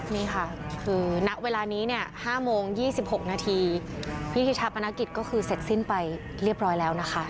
นี่ค่ะคือณเวลานี้เนี่ย๕โมง๒๖นาทีพิธีชาปนกิจก็คือเสร็จสิ้นไปเรียบร้อยแล้วนะคะ